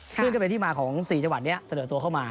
ซึ่งก็เป็นที่มาของ๔จังหวัดนี้เสนอตัวเข้ามา